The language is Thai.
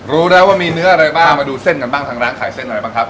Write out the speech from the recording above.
รู้แล้วว่ามีเนื้ออะไรบ้างมาดูเส้นกันบ้างทางร้านขายเส้นอะไรบ้างครับ